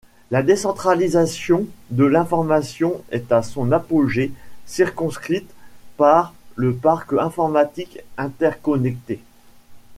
La décentralisation de l'information est à son apogée, circonscrite par le parc informatique interconnecté.